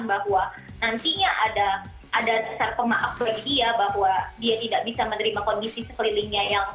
bahwa nantinya ada dasar pemaaf bagi dia bahwa dia tidak bisa menerima kondisi sekelilingnya